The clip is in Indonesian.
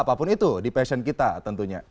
apapun itu di passion kita tentunya